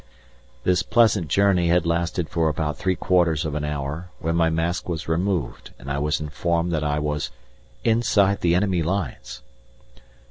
This pleasant journey had lasted for about three quarters of an hour when my mask was removed and I was informed that I was "inside the enemy lines!"